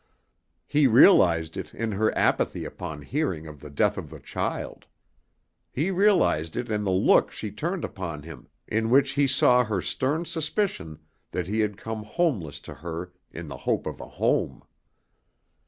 He realized it in her apathy upon hearing of the death of the child. He realized it in the look she turned upon him in which he saw her stern suspicion that he had come homeless to her in the hope of a home.